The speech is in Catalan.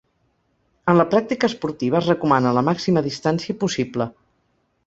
En la pràctica esportiva es recomana la màxima distància possible.